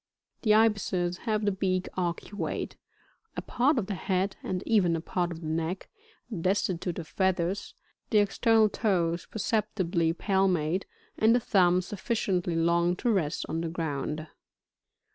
47. The Ibises, (Plate 5, /fgr. 10.) have the beak arcuate, a part of the head, and even a part of the neck, destitute of feathers, the external toes perceptibly palmate, and the thumb sufl&ciently long to rest on the ground.